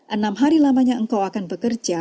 enam hari lamanya engkau akan bekerja